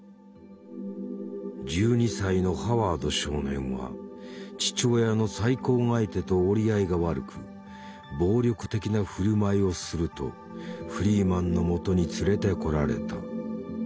１２歳のハワード少年は父親の再婚相手と折り合いが悪く「暴力的な振る舞いをする」とフリーマンの元に連れてこられた。